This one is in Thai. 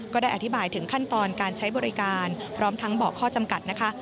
ก็ได้อธิบายถึงขั้นตอนการใช้บริการพร้อมทั้งบอกข้อจำกัดนะคะ